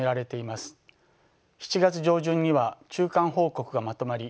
７月上旬には中間報告がまとまり